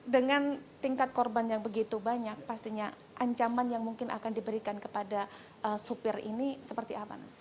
dengan tingkat korban yang begitu banyak pastinya ancaman yang mungkin akan diberikan kepada supir ini seperti apa